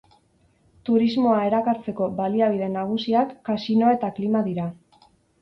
Turismoa erakartzeko baliabide nagusiak kasinoa eta klima dira.